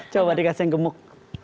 coba dikasih yang gemuk